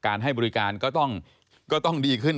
ให้บริการก็ต้องดีขึ้น